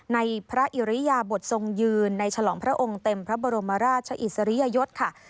ในพระอิริยาบททรงยืนในฉลองพระองค์เต็มพระบรมราชอิสริยยศค่ะ